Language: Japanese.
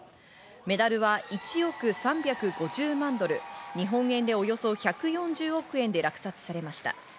メダルは１億３５０万ドル、日本円でおよそ１４０億円で落札されました。